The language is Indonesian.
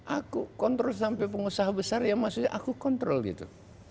aku kontrol sampai pengusaha besar ya maksudnya aku kontrol gitu